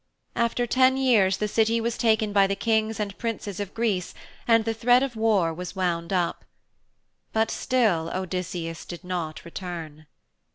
After ten years the City was taken by the Kings and Princes of Greece and the thread of war was wound up. But still Odysseus did not return.